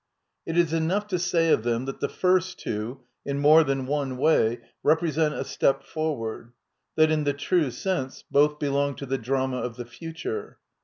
It is enough to say of them that the first two, in more than one way, represent a step for ward; that, in the true sense, both belong to the drama of the future.